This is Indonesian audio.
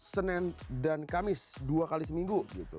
senin dan kamis dua kali seminggu